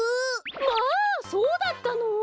まあそうだったの？